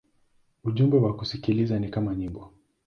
Ujumbe wa kusikiliza ni kama nyimbo.